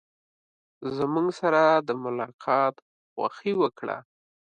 زموږ سره د ملاقات خوښي وکړه.